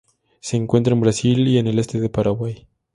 Se encuentra en Brasil y el este de Paraguay.